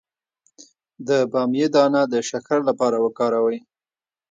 د بامیې دانه د شکر لپاره وکاروئ